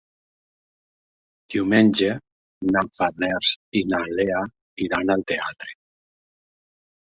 Diumenge na Farners i na Lea iran al teatre.